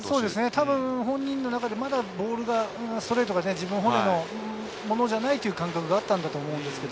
本人の中でボール、ストレートが自分本位のものじゃないという感覚があったと思います。